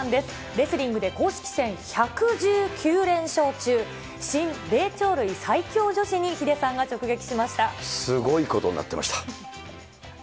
レスリングで公式戦１１９連勝中、信・霊長類最強女子にヒデさんがすごいことになってました。